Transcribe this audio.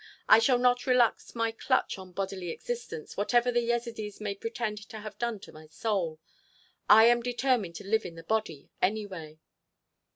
I shall not relax my clutch on bodily existence whatever the Yezidees may pretend to have done to my soul. I am determined to live in the body, anyway."